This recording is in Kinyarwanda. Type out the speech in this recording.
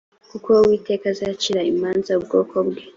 kuko uwiteka azacira imanza ubwoko bwe